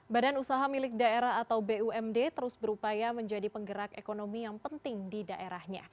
badan usaha milik daerah atau bumd terus berupaya menjadi penggerak ekonomi yang penting di daerahnya